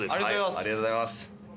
ありがとうございます。